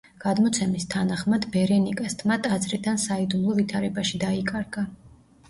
გადმოცემის თანახმად ბერენიკას თმა ტაძრიდან საიდუმლო ვითარებაში დაიკარგა.